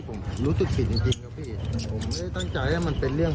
ผมรู้สึกผิดจริงจริงครับพี่ผมไม่ได้ตั้งใจให้มันเป็นเรื่อง